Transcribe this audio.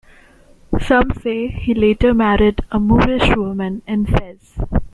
Some say he later married a Moorish woman in Fez.